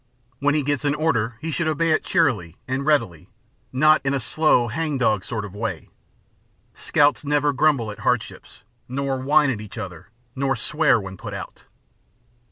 When he gets an order he should obey it cheerily and readily, not in a slow, hang dog sort of way. Scouts never grumble at hardships, nor whine at each other, nor swear when put out.